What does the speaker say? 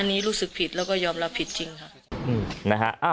อันนี้รู้สึกผิดแล้วก็ยอมรับผิดจริงค่ะนะฮะ